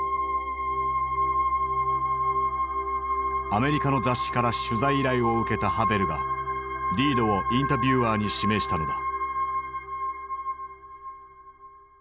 アメリカの雑誌から取材依頼を受けたハヴェルがリードをインタビュアーに指名したのだ。